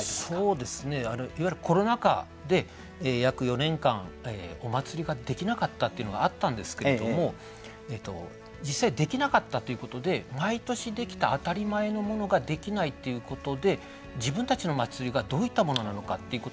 そうですねいわゆるコロナ禍で約４年間お祭りができなかったっていうのがあったんですけれども実際できなかったということで毎年できて当たり前のものができないっていうことで自分たちの祭りがどういったものなのかっていうことを客観視する。